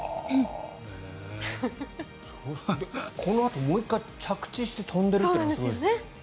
このあともう１回着地して跳んでるのがすごいですよね。